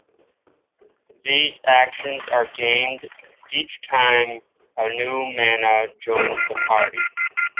These actions are gained each time a new Mana joins the party.